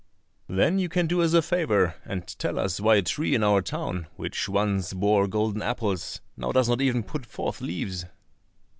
"Then you can do us a favour and tell us why a tree in our town which once bore golden apples now does not even put forth leaves?"